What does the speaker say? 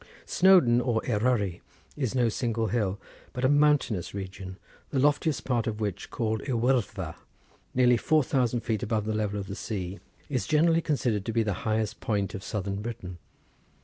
Snowdon or Eryri is no single hill, but a mountainous region, the loftiest part of which, called Y Wyddfa, nearly four thousand feet above the level of the sea, is generally considered to be the highest point of Southern Britain.